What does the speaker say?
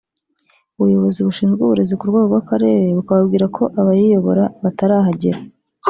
ubuyobozi bushinzwe uburezi ku rwego rw’Akarere bukababwira ko abayiyobora batarahagera